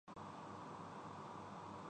اس جمود کو توڑا ہے۔